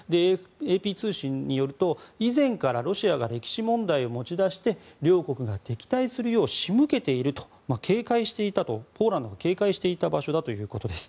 ＡＰ通信によると、以前からロシアが歴史問題を持ち出して両国が敵対するよう仕向けていると警戒していたとポーランドが警戒していた場所だということです。